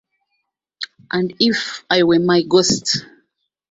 And if I were my ghost?